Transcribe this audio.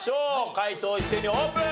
解答一斉にオープン！